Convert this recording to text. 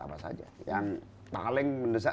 apa saja yang paling mendesak